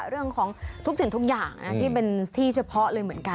เรื่องของทุกสิ่งทุกอย่างที่เป็นที่เฉพาะเลยเหมือนกัน